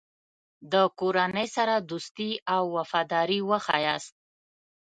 د کورنۍ سره دوستي او وفاداري وښیاست.